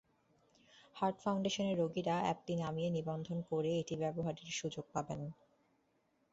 Heart ফাউন্ডেশনের রোগীরা অ্যাপটি নামিয়ে নিবন্ধন করে এটি ব্যবহারের সুযোগ পাবেন।